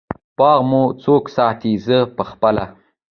باغ مو څوک ساتی؟ زه پخپله